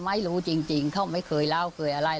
ไม่รู้จริงเขาไม่เคยเล่าเคยอะไร